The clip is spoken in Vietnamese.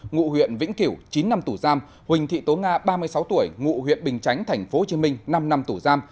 ngụ huyện vĩnh kiểu chín năm tù giam huỳnh thị tố nga ba mươi sáu tuổi ngụ huyện bình chánh tp hcm năm năm tù giam